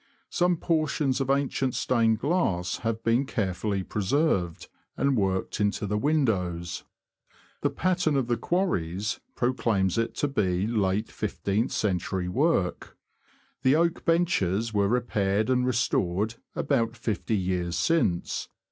Some portions of ancient stained glass have been care fully preserved, and worked into the windows. The 156 THE LAND OF THE BROADS. pattern of the quarries proclaims it to be late fifteenth century work. The oak benches were repaired and restored about fifty years since.